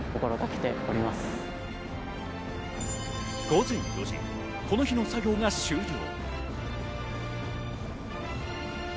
午前４時、この日の作業が終了。